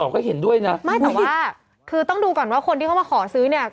ก็เห็นด้วยนะไม่แต่ว่าคือต้องดูก่อนว่าคนที่เขามาขอซื้อเนี่ย